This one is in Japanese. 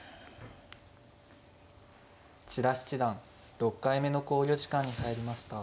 千田七段６回目の考慮時間に入りました。